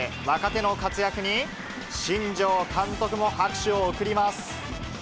若手の活躍に、新庄監督も拍手を送ります。